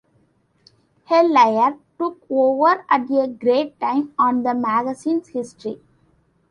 Hellyer took over at a great time on the magazine's history.